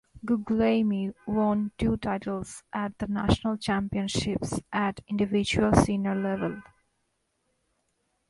Guglielmi won two titles at the national championships at individual senior level.